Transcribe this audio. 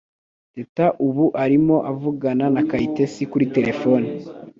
Teta ubu arimo avugana na kayitesi kuri terefone.